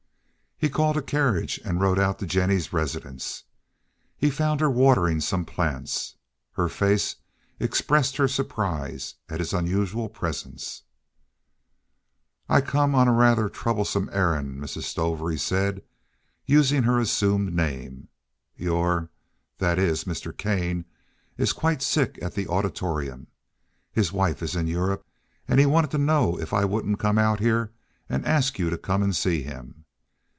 He called a carriage and rode out to Jennie's residence. He found her watering some plants; her face expressed her surprise at his unusual presence. "I come on a rather troublesome errand, Mrs. Stover," he said, using her assumed name. "Your—that is, Mr. Kane is quite sick at the Auditorium. His wife is in Europe, and he wanted to know if I wouldn't come out here and ask you to come and see him.